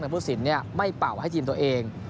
ผู้สินไม่เป่าให้ทีมตัวเอง